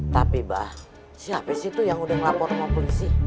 tapi mbak siapa sih tuh yang udah ngelapor sama polisi